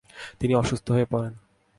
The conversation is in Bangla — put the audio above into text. তিনি অসুস্থ্য হয়ে পড়েন।